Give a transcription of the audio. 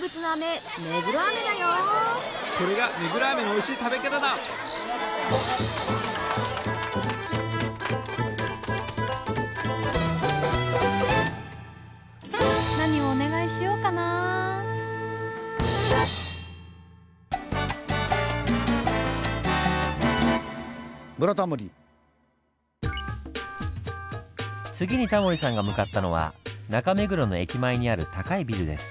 次にタモリさんが向かったのは中目黒の駅前にある高いビルです。